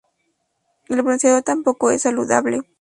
El bronceado tampoco es saludable.